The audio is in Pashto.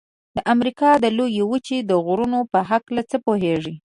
د امریکا د لویې وچې د غرونو په هکله څه پوهیږئ؟